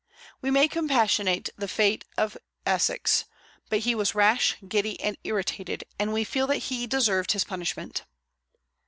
We may compassionate the fate of Essex; but he was rash, giddy, and irritated, and we feel that he deserved his punishment.